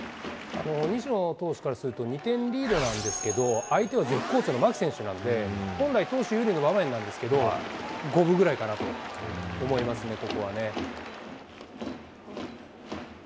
西野投手からすると、２点リードなんですけど、相手は絶好調の牧選手なんで、本来、投手有利の流れなんですけど、五分ぐらいかなと思いますね、ここはね。